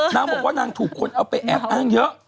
นางบอกว่านางถูกคนเอาไปแอบอ้างเยอะ